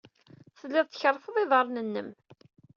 Tellid tkerrfed iḍarren-nnem.